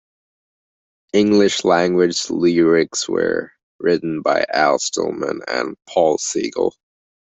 English language lyrics were written by Al Stillman and Paul Siegel.